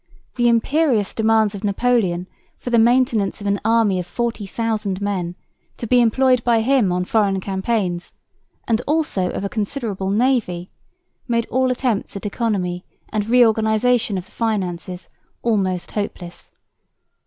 The imperious demands of Napoleon for the maintenance of an army of 40,000 men, to be employed by him on foreign campaigns, and also of a considerable navy, made all attempts at economy and re organisation of the finances almost hopeless.